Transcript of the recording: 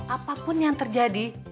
apapun yang terjadi